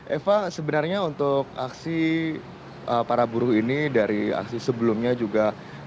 eva sebenarnya untuk aksi para buruh ini dari aksi sebelumnya juga